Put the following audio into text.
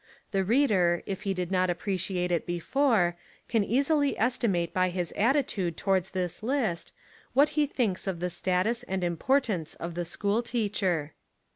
The reader, if he did not appreciate it before, can easily estimate by his attitude towards this list, what he thinks of the status and importance of the school teacher.